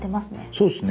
そうっすね。